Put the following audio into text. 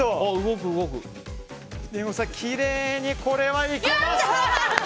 きれいにこれはいけました！